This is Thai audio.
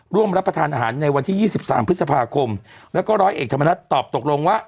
ร่วมรับประทานอาหารในวันที่๒๓พฤษภาคมแล้วก็ร้อยเอกธรรมนัฐตอบตกลงว่า